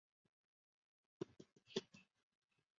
后因钱学森暂时无法离美而未果。